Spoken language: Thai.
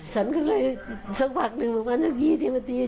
ฉันก็เลยสักภาครึงคือหาเงียบแคบขี้เทศปุ่น